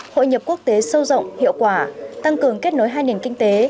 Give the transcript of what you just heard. hội nhập quốc tế sâu rộng hiệu quả tăng cường kết nối hai nền kinh tế